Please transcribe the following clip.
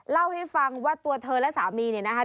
เล่าให้ฟังว่าตัวเธอและสามีเนี่ยนะคะ